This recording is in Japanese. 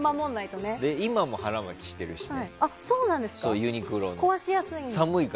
今も腹巻きしてるしね。